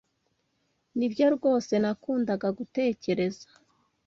Nibyo rwose nakundaga gutekereza.